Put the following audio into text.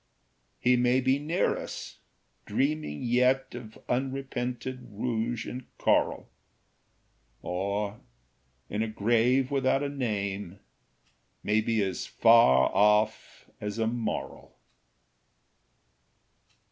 He may be near us, dreaming yet Of unrepented rouge and coral; Or in a grave without a name May be as far off as a moral.